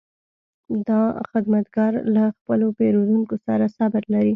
دا خدمتګر له خپلو پیرودونکو سره صبر لري.